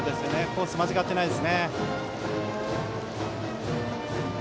コース間違っていないですね。